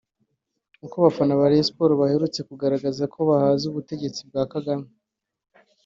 uko abafana ba Rayon Sport baherutse kugaragaza ko bahaze ubutegetsi bwa Kagame